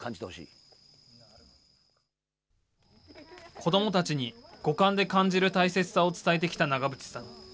子どもたちに五感で感じる大切さを伝えてきた長渕さん。